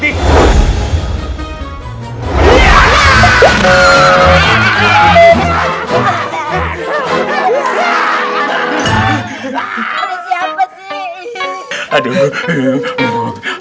tidak ada siapa sih